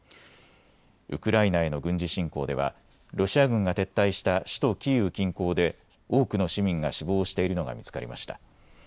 ウクライナへの軍事侵攻ではロシア軍が撤退した首都キーウ近郊で多くの市民が死亡しているのが見つかりました。